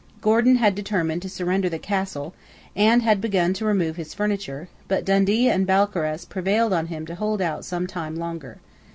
Gordon had determined to surrender the castle, and had begun to remove his furniture: but Dundee and Balcarras prevailed on him to hold out some time longer.